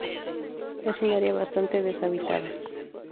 Es un área bastante deshabitada.